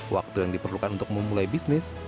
waktu yang diperlukan untuk memulai bisnis